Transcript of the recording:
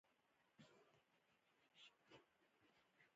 د کلي یو بل تن هم په ملا پسې را غږ کړل.